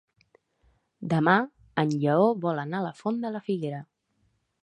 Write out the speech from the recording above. Demà en Lleó vol anar a la Font de la Figuera.